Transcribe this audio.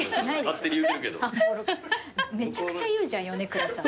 めちゃくちゃ言うじゃん米倉さん。